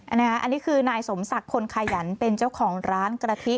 อันนี้คือนายสมศักดิ์คนขยันเป็นเจ้าของร้านกะทิ